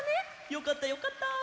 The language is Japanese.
よかったよかった！